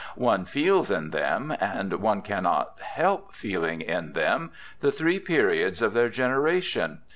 One feels in them, and one cannot help feeling in them, the three periods of their generation.